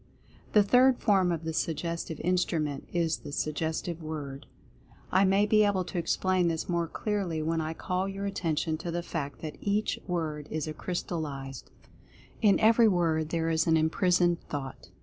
The Third Form of the Suggestive Instrument is The Suggestive Word. I may be able to explain this more clearly when I call your attention to the fact that EACH WORD IS A CRYSTALLIZED THOUGHT. In every word there is an imprisoned Thought.